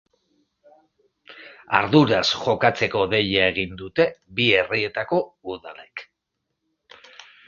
Arduraz jokatzeko deia egin dute bi herrietako udalek.